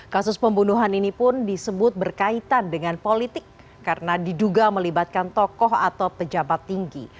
kasus pembunuhan ini pun disebut berkaitan dengan politik karena diduga melibatkan tokoh atau pejabat tinggi